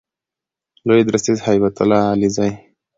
لوی درستیز هیبت الله علیزی